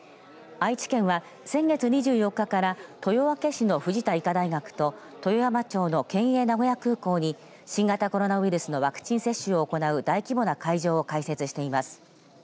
愛知県は先月２４日から豊明市の藤田医科大学と豊山町の県営名古屋空港に新型コロナウイルスのワクチン接種を行う大規模な会場を開設しています。